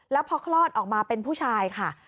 แล้วพอคลอดออกมาเป็นผู้ชายค่ะ